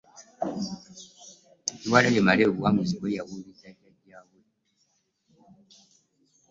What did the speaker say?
Kyewalabye Male obuwanguzi bwe yabujulizza jjaja we